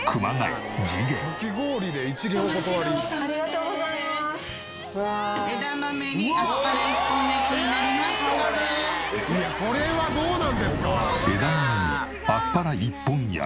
「いやこれはどうなんですか？」